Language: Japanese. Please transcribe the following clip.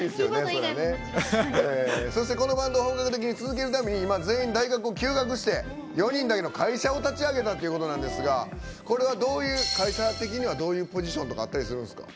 そして、このバンドを本格的に続けるために全員大学を休学して４人だけの会社を立ち上げたということなんですがこれは会社的にはどういうポジションとかあったりするんですか？